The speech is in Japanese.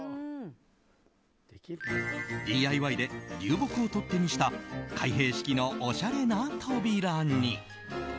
ＤＩＹで流木を取っ手にした開閉式のおしゃれな扉に。